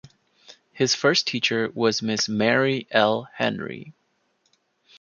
His first teacher was Miss Mary L. Henry.